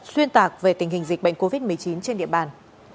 xuyên tạc về tình hình dịch bệnh covid một mươi chín trên địa bàn